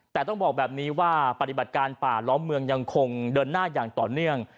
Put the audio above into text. แต่ต้องบอกแบบนี้ว่าปฏิบัติการป่าล้อมเมืองยังคงเดินหน้าอย่างต่อเนื่อง